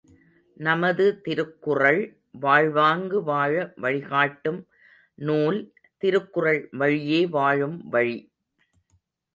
நமது திருக்குறள் வாழ்வாங்கு வாழ வழிகாட்டும் நூல் திருக்குறள் வழியே வாழும் வழி.